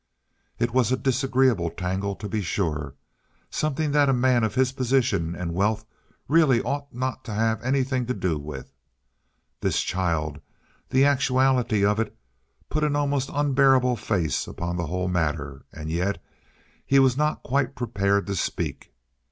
It was a disagreeable tangle, to be sure, something that a man of his position and wealth really ought not to have anything to do with. This child, the actuality of it, put an almost unbearable face upon the whole matter—and yet he was not quite prepared to speak.